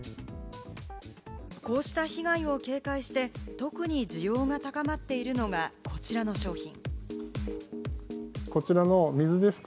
こうした被害を警戒して、特に需要が高まっているのが、こちらの商品。